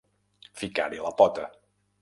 Ficar-hi la pota.